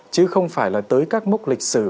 chứ không phải là tới các mốc lịch sử